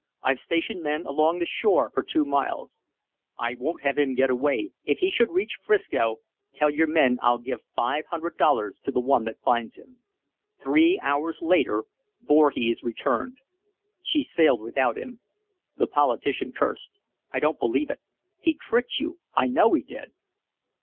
I've stationed men along the shore for two miles." "I won't have him get away. If he should reach 'Frisco Tell your men I'll give five hundred dollars to the one that finds him." Three hours later Voorhees returned. "She sailed without him." The politician cursed. "I don't believe it. He tricked you. I know he did."